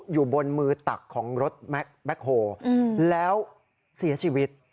อยู่บนมือตักของรถแม้แบ๊คโหลอืมแล้วเสียชีวิต